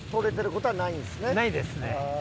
ないですね。